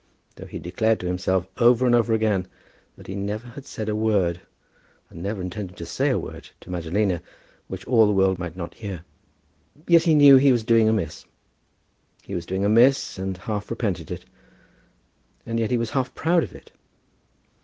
Though he declared to himself over and over again that he never had said a word, and never intended to say a word, to Madalina, which all the world might not hear, yet he knew that he was doing amiss. He was doing amiss, and half repented it, and yet he was half proud of it.